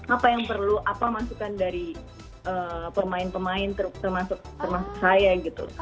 apa yang perlu apa masukan dari pemain pemain termasuk saya gitu